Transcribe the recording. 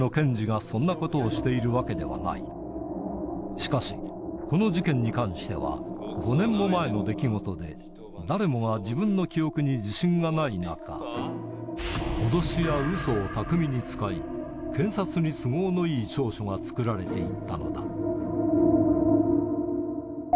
しかしこの事件に関しては５年も前の出来事で誰もが自分の記憶に自信がない中脅しやウソを巧みに使い検察に都合のいい調書が作られて行ったのだ